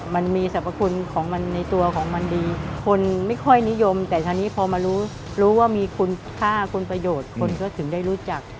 มันมีสรรพคุณของมันในตัวของมันดีคนไม่ค่อยนิยมแต่คราวนี้พอมารู้รู้ว่ามีคุณค่าคุณประโยชน์คนก็ถึงได้รู้จัก